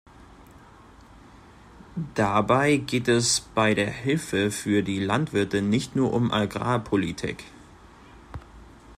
Dabei geht es bei der Hilfe für die Landwirte nicht nur um die Agrarpolitik.